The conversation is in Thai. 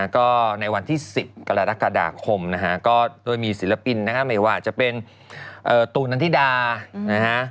ก็ในวันที่๑๐กรกฎาคมนะฮะก็ด้วยมีศิลปินนะฮะไม่ว่าจะเป็นตูนนันทิดานะฮะ